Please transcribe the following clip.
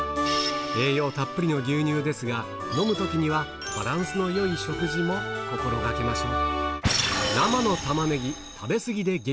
栄養たっぷりの牛乳ですが、飲むときにはバランスのよい食事も心がけましょう。